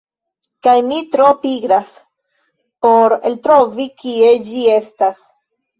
Kaj mi tro pigras por eltrovi kie ĝi estas.